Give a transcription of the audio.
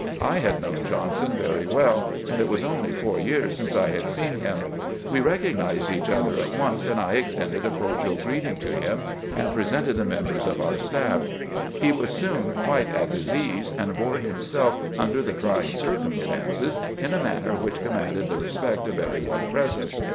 I had known Johnson very well, and it was only four years since I had seen him. We recognized each other at once, and I extended a cordial greeting to him, and presented the members of our staff. He was soon quite at his ease, and bore him self under the trying circumstances in a manner which commanded the respect of every one present.